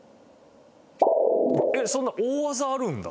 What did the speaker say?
えっそんな大技あるんだ。